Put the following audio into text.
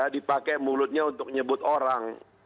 dipakai mulutnya untuk nyebut orang